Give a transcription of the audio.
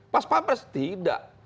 pas pampres tidak